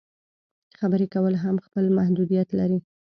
خبرې کول هم خپل محدودیت لري.